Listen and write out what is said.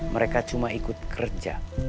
mereka cuma ikut kerja